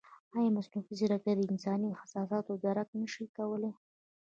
ایا مصنوعي ځیرکتیا د انساني احساساتو درک نه شي کولی؟